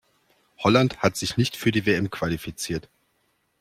Holland hat sich nicht für die WM qualifiziert.